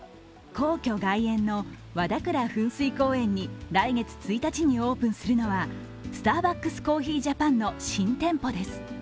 皇居外苑の和田倉噴水公園に来月１日にオープンするのはスターバックスコーヒージャパンの新店舗です。